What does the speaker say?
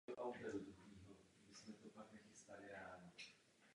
U vinice byl vystavěn i viniční lis a na pozemcích byla i chmelnice.